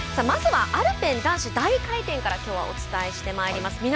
まずはアルペン男子大回転からきょうはお伝えしてまいります。